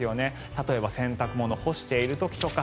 例えば洗濯物を干している時とか。